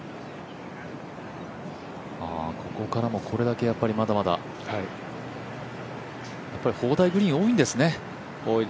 ここからもこれだけやっぱり砲台グリーン多いんですね。